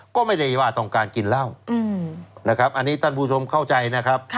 ก็ไม่ได้ว่าต้องการกินเหล้านะครับอันนี้ท่านผู้ชมเข้าใจนะครับ